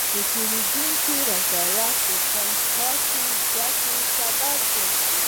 د پیرودونکي رضایت د تلپاتې ګټې سبب کېږي.